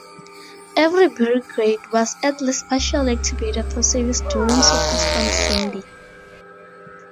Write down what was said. Every brigade was at least partially activated for service during 'Superstorm' Sandy.